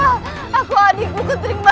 kau tak ada sekali raka